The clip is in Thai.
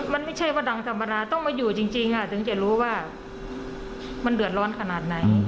มันไม่ใช่ว่าดังธรรมดาต้องมาอยู่จริงถึงจะรู้ว่ามันเดือดร้อนขนาดไหน